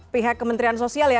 pihak kementerian sosial ya